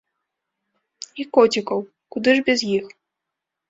І коцікаў, куды ж без іх!